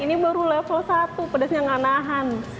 ini baru level satu pedasnya gak nahan